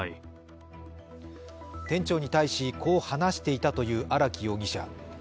店長に対しこう話していたという荒木容疑者。